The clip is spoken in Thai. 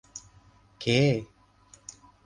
เค้